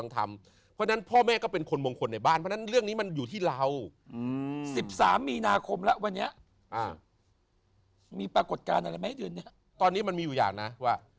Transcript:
ตอนนี้มันมีอย่างนะว่า